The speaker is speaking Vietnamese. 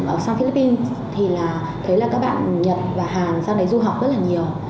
ở phía philippines thấy là các bạn nhật và hàn sau đấy du học rất là nhiều